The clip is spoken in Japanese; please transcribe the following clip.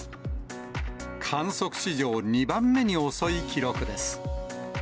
観測史上２番目に遅い記録です。